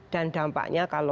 dan dampaknya kaya gini